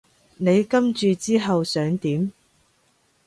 你跟住之後想點？